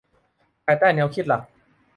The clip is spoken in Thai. ภายใต้แนวคิดหลัก